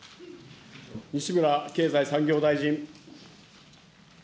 西村経済産業大臣。